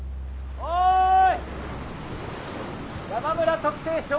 はい。